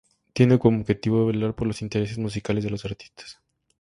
Tiene como objetivo velar por los intereses musicales de los artistas.